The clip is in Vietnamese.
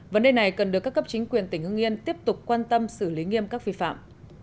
vấn đề này cần được các cấp chính quyền tỉnh hương yên tiếp tục quan tâm xử lý nghiêm các vi phạm